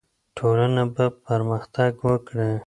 ټولنه به پرمختګ وکړي.